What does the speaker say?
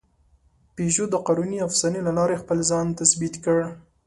پيژو د قانوني افسانې له لارې خپل ځان تثبیت کړ.